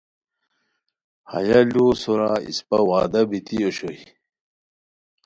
ہیہ لوؤ سورا اسپہ وعدہ بیتی اوشوئے